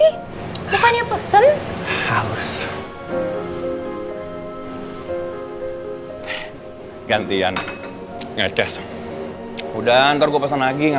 udah ntar gue pesen lagi gak masalah the audience